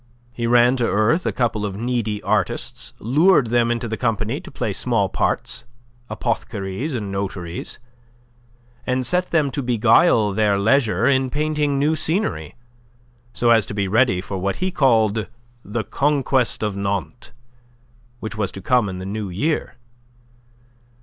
He ran to earth a couple of needy artists, lured them into the company to play small parts apothecaries and notaries and set them to beguile their leisure in painting new scenery, so as to be ready for what he called the conquest of Nantes, which was to come in the new year.